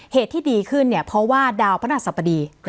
เหตุที่ดีขึ้นเนี่ยเพราะว่าดาวพระราชสัปดี